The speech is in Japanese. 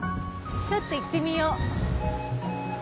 ちょっと行ってみよう。